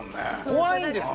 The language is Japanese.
怖いんですか？